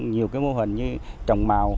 nhiều cái mô hình như trồng màu